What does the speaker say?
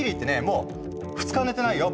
もう２日寝てないよ